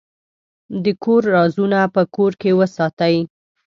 د کور رازونه په کور کې وساتئ.